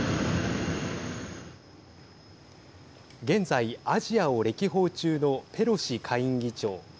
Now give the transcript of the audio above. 現在、アジアを歴訪中のペロシ下院議長。